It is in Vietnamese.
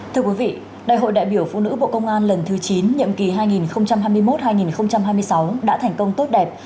thưa quý vị đại hội đại biểu phụ nữ bộ công an lần thứ chín nhiệm kỳ hai nghìn hai mươi một hai nghìn hai mươi sáu đã thành công tốt đẹp